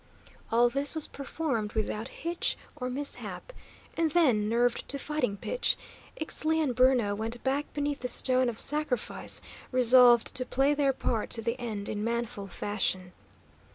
All this was performed without hitch or mishap, and then, nerved to fighting pitch, Ixtli and Bruno went back beneath the stone of sacrifice, resolved to play their part to the end in manful fashion.